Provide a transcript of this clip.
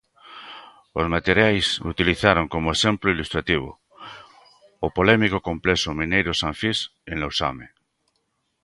Os materiais utilizaron como exemplo ilustrativo o polémico complexo mineiro San Finx en Lousame.